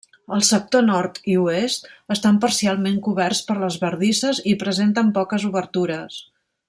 El sector nord i oest estan parcialment coberts per les bardisses i presenten poques obertures.